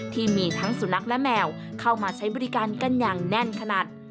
ที่มีทั้งสุนัขและแมวเข้ามาใช้บริการกันอย่างแน่นขนาด